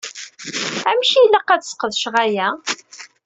Amek i ilaq ad sqedceɣ aya?